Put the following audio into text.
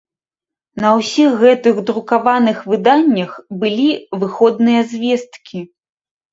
На ўсіх гэтых друкаваных выданнях былі выходныя звесткі.